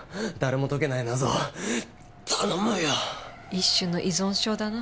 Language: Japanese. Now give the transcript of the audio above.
一種の依存症だな。